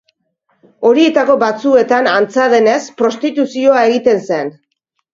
Horietako batzuetan, antza denez, prostituzioa egiten zen.